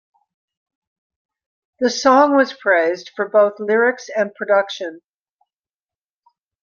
The song was praised for both lyrics and production.